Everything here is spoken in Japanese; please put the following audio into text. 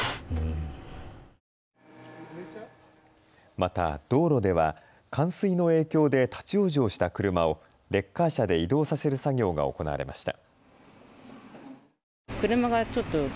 また道路では冠水の影響で立往生した車をレッカー車で移動させる作業が行われました。